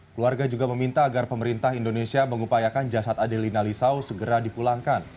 keluarga juga meminta agar pemerintah indonesia mengupayakan jasad adelina lisau segera dipulangkan